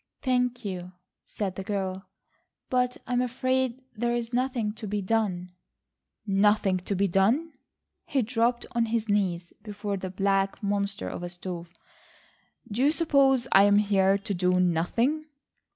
"Thank you," said the girl, "but I'm afraid there is nothing to be done." "Nothing to be done!" He dropped on his knees before the black monster of a stove, "Do you suppose I'm here to do nothing?"